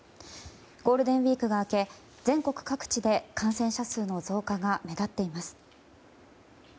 ゴールデンウィークが明け全国各地で感染者数の増加が目立っています。